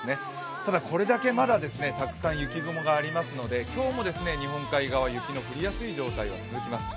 ただ、これだけまだたくさん雪雲がありますので、今日も日本海側、雪の降りやすい状態が続きます。